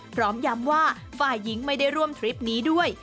พร้อมย้ำว่าฝ่ายหญิงไม่ได้ร่วมทริปนี้ด้วย